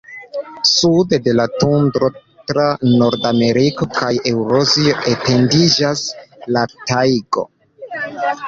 Sude de la tundro, tra Nordameriko kaj Eŭrazio, etendiĝas la tajgo.